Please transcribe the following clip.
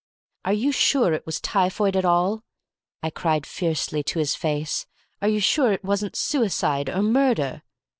"Are you sure it was typhoid at all?" I cried fiercely to his face. "Are you sure it wasn't suicide—or murder?"